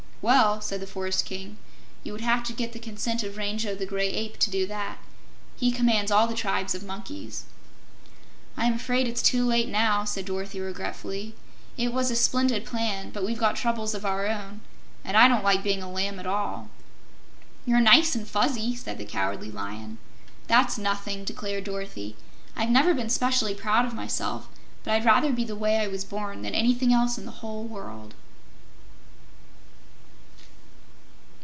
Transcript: "Well," said the Forest King, "you would have to get the consent of Rango the Gray Ape, to do that. He commands all the tribes of monkeys." "I'm afraid it's too late, now," said Dorothy, regretfully. "It was a splendid plan, but we've got troubles of our own, and I don't like being a lamb at all." "You're nice and fuzzy," said the Cowardly Lion. "That's nothing," declared Dorothy. "I've never been 'specially proud of myself, but I'd rather be the way I was born than anything else in the whole world."